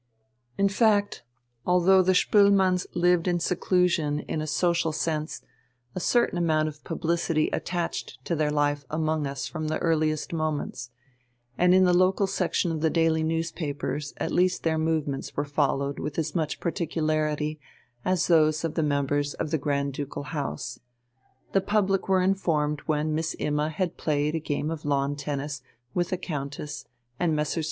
In fact, although the Spoelmanns lived in seclusion in a social sense, a certain amount of publicity attached to their life among us from the earliest moments, and in the local section of the daily newspapers at least their movements were followed with as much particularity as those of the members of the Grand Ducal House. The public were informed when Miss Imma had played a game of lawn tennis with the Countess and Messrs.